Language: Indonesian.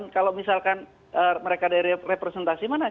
kalau misalkan mereka dari representasi mana